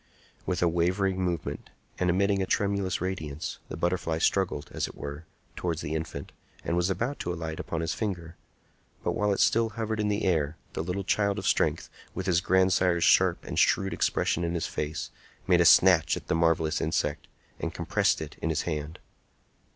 With a wavering movement, and emitting a tremulous radiance, the butterfly struggled, as it were, towards the infant, and was about to alight upon his finger; but while it still hovered in the air, the little child of strength, with his grandsire's sharp and shrewd expression in his face, made a snatch at the marvellous insect and compressed it in his hand.